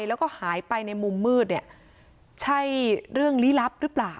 แล้วก็หายไปในมุมมืดเนี่ยใช่เรื่องลี้ลับหรือเปล่า